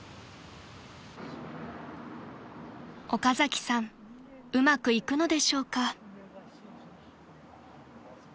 ［岡崎さんうまくいくのでしょうか？］